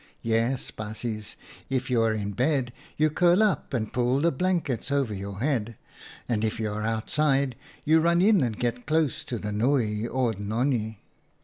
Yes, baasjes, if you are in bed you curl up and pull the blankets over your head, and if you are outside you run in and get close to the Nooi or Nonnie."